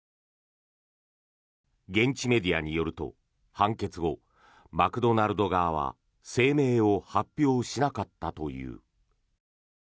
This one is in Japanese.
現地メディアによると判決後、マクドナルド側は声明を発表しなかったという。